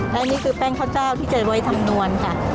และนี่คือแป้งข้าวเจ้าที่เจ๊ไว้ทำนวณค่ะ